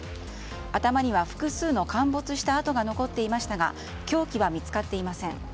頭には複数の陥没した痕が残っていましたが凶器は見つかっていません。